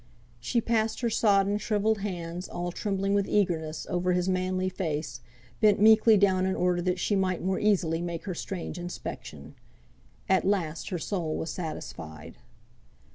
She passed her sodden, shrivelled hands, all trembling with eagerness, over his manly face, bent meekly down in order that she might more easily make her strange inspection. At last, her soul was satisfied.